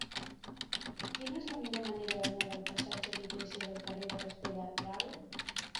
Quina és la millor manera d'anar del passatge d'Iglésias al carrer de Castelladral?